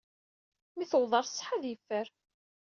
Mi tewweḍ ɣer ṣṣeḥ ad yeffer.